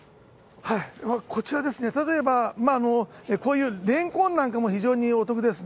こちらですね、例えばこういうれんこんなんかも非常にお得ですね。